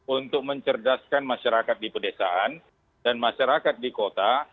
untuk mencerdaskan masyarakat di pedesaan dan masyarakat di kota